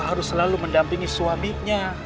harus selalu mendampingi suaminya